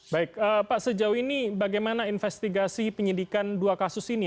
baik pak sejauh ini bagaimana investigasi penyidikan dua kasus ini